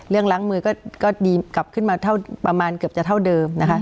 เรื่องล้างมือก็ดีกลับขึ้นมาเกือบเท่าเดิมนะคะ